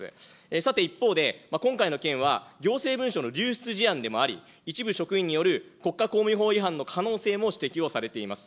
さて一方で、今回の件は、行政文書の流出事案でもあり、一部職員による国家公務員法違反の可能性も指摘をされています。